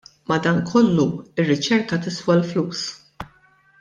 Madankollu, ir-riċerka tiswa l-flus.